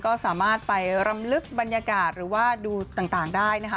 ก็สามารถไปรำลึกบรรยากาศหรือว่าดูต่างได้นะคะ